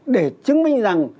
để chứng minh rằng